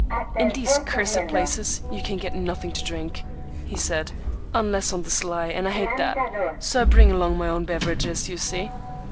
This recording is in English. "In these cursed places, you can get nothing to drink," he said, "unless on the sly, and I hate that; so I bring along my own beverages, you see."